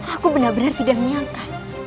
aku benar benar tidak menyangka